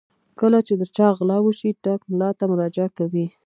کله چې د چا غلا وشي ټګ ملا ته مراجعه کوي.